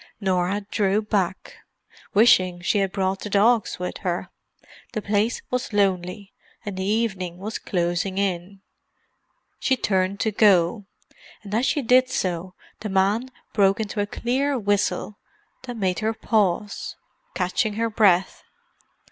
Norah drew back, wishing she had brought the dogs with her; the place was lonely, and the evening was closing in. She turned to go; and as she did so the man broke into a clear whistle that made her pause, catching her breath.